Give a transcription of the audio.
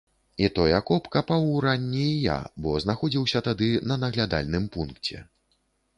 І той акоп капаў уранні і я, бо знаходзіўся тады на наглядальным пункце.